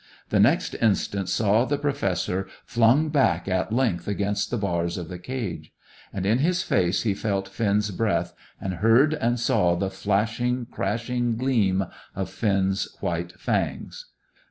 The next instant saw the Professor flung back at length against the bars of the cage; and in his face he felt Finn's breath, and heard and saw the flashing, clashing gleam of Finn's white fangs.